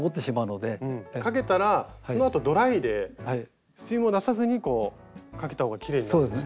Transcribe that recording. かけたらそのあとドライでスチームを出さずにこうかけた方がきれいになるんですね。